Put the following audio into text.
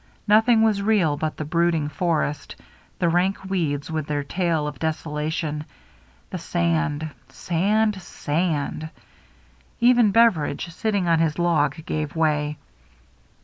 Nothing was real but the brooding forest, the rank weeds with their tale of desolation, the sand — sand — sand. Even Beveridge, sitting on his log, gave way.